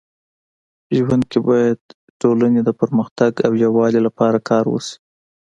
ژوند کي باید ټولني د پرمختګ او يووالي لپاره کار وسي.